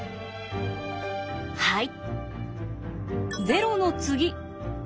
はい。